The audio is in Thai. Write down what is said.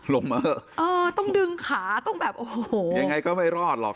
เออต้องดึงขาต้องแบบโอ้โหยังไงก็ไม่รอดหรอก